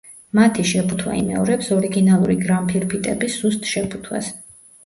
მათი შეფუთვა იმეორებს ორიგინალური გრამფირფიტების ზუსტ შეფუთვას.